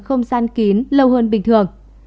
không gian kín lâu hơn bình thường